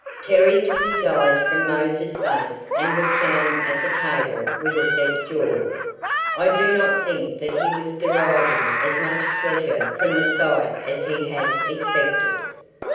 Terry took his eyes from Mose's face and looked down at the table with a set jaw. I do not think that he was deriving as much pleasure from the sight as he had expected.